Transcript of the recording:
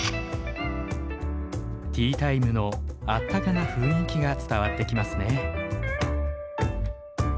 ティータイムのあったかな雰囲気が伝わってきますね。